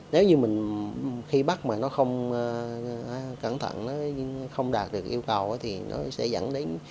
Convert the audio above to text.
nếu như mình khi bắt mà nó không cẩn thận nó không đạt được yêu cầu thì nó sẽ dẫn đến